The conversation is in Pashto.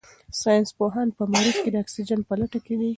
ساینس پوهان په مریخ کې د اکسیجن په لټه کې دي.